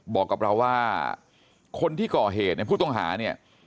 บอกกับเราว่าคนที่ก่อเหตุเนี่ยผู้ต้องหาเนี่ย